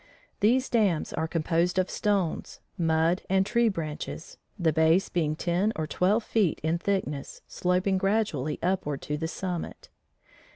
These dams are composed of stones, mud and tree branches, the base being ten or twelve feet in thickness sloping gradually upward to the summit.